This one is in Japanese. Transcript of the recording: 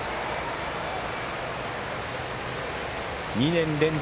２年連続